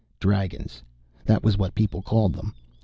Dragons. That was what people called them.